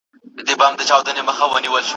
پرون یې بیا له هغه ښاره جنازې وایستې